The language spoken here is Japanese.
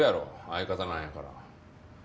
相方なんやから。